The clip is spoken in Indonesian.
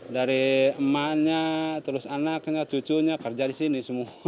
dari emaknya terus anaknya cucunya kerja di sini semua